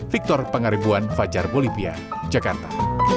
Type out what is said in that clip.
victor pengaribuan fajar bolivia jakarta